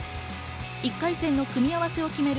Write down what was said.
１回戦の組み合わせを決める